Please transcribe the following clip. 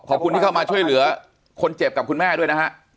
ขอบคุณที่เข้ามาช่วยเหลือคนเจ็บกับคุณแม่ด้วยนะฮะ